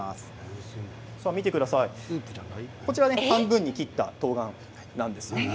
半分に切ったとうがんなんです。